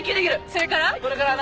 それから？